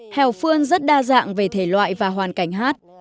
hèo phương rất đa dạng về thể loại và hoàn cảnh hát